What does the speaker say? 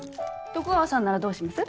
徳川さんならどうします？